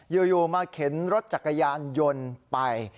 อยู่มาเข็นรถจักรยานยนต์ไป